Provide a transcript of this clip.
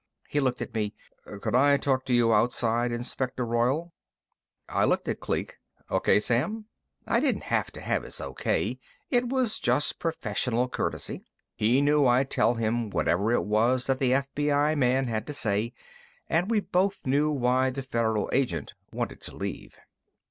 He looked at me. "Could I talk to you outside, Inspector Royall?" I looked at Kleek. "O.K., Sam?" I didn't have to have his O.K.; it was just professional courtesy. He knew I'd tell him whatever it was that the FBI man had to say, and we both knew why the Federal agent wanted to leave.